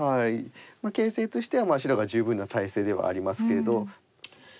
形勢としては白が十分な大勢ではありますけれど。